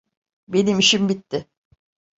Benim işim bitti.